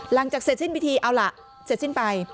หลังจากเสร็จสิ้นพิธีเอาล่ะเสร็จสิ้นไป